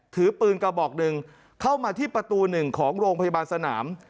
ถือปืนกระบอกหนึ่งเข้ามาที่ประตูหนึ่งของโรงพยาบาลสนาม